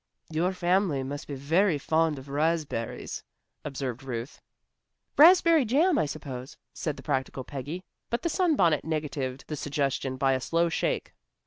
"Your family must be very fond of raspberries," observed Ruth. "Raspberry jam, I suppose," said the practical Peggy, but the sunbonnet negatived the suggestion by a slow shake.